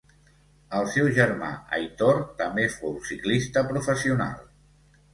El seu germà Aitor també fou ciclista professional.